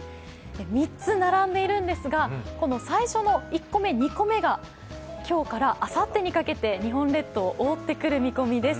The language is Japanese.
３つ並んでいるんですが、最初の１個目、２個目が今日からあさってにかけて日本列島覆ってくる見込みです。